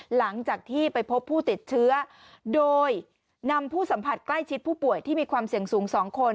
หลังจากที่ไปพบผู้ติดเชื้อโดยนำผู้สัมผัสใกล้ชิดผู้ป่วยที่มีความเสี่ยงสูง๒คน